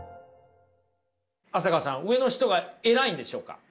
浅川さん上の人が偉いんでしょうか。